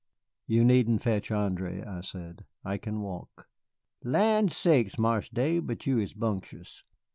"You needn't fetch André," I said; "I can walk." "Lan sakes, Marse Dave, but you is bumptious."